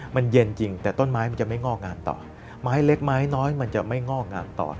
มันเย็นจริงแต่ต้นไม้มันจะไม่งอกงามต่อไม้เล็กไม้น้อยมันจะไม่งอกงามต่อ